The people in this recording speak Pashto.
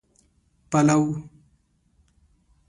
پلو